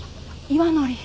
岩のり。